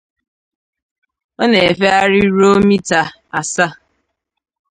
Ọ na-efegharị ruo mita asaa